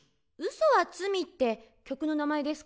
「嘘は罪」って曲の名前ですか？